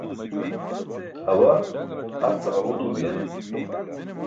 awa asce ġalġu duu biyen